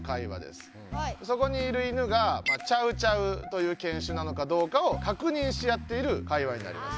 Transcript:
そこにいる犬がチャウチャウという犬種なのかどうかをかくにんし合っている会話になります。